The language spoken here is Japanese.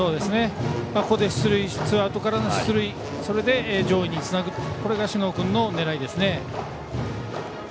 ここでツーアウトからの出塁それで上位につなぐこれが小竹君の狙いですね。